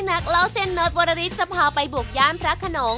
นักเล่าเส้นเนิดกวรรณริสธิ์จะพาไปบุกยานพระขนม